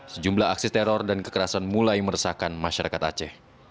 sejumlah aksi teror dan kekerasan mulai meresahkan masyarakat aceh